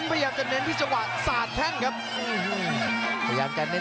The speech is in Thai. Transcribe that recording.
พวกเขาช่วยตามมันให้เกิดได้